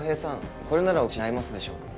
これならお口に合いますでしょうか。